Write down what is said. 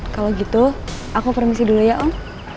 kalau gitu aku permisi dulu ya om